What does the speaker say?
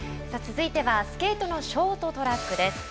さあ、続いてはスケートのショートトラックです。